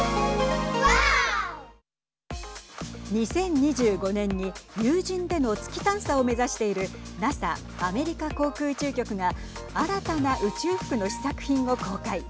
２０２５年に有人での月探査を目指しているＮＡＳＡ＝アメリカ航空宇宙局が新たな宇宙服の試作品を公開。